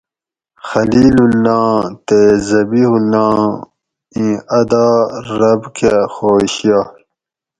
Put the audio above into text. خلیل اللّٰہ آں تے ذبیح اللّٰہ آں اِیں ادا رب کہ خوش یائ